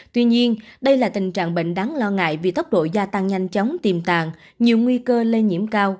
tuy nhiên đây là tình trạng bệnh đáng lo ngại vì tốc độ gia tăng nhanh chóng tiềm tàng nhiều nguy cơ lây nhiễm cao